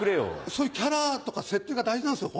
そういうキャラとか設定が大事なんですよ。